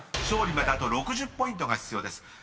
［勝利まであと６０ポイントが必要です］